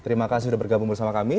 terima kasih sudah bergabung bersama kami